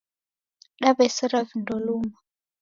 Dawesera vindo luma.